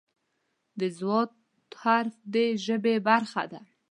د "ض" حرف د ژبې برخه ده.